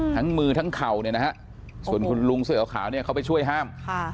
ทั้งมือทั้งเข่าส่วนคุณลุงเสื้อขาวเขาไปช่วยห้าม